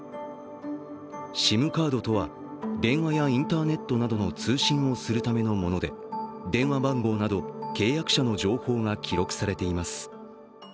ＳＩＭカードとは、電話やインターネットなどの通信をするためのもので電話番号など契約者の情報が記録されています。